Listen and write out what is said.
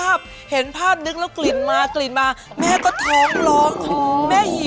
ยอมเป็นขาวมันไก่